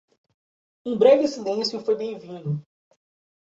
Um breve silêncio foi bem-vindo.